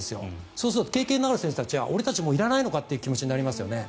そうすると経験のある選手たちは俺たち、もういらないのかという気持ちになりますよね。